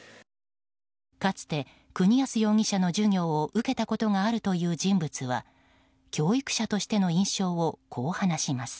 かつて、国安容疑者の授業を受けたことがあるという人物は教育者としての印象をこう話します。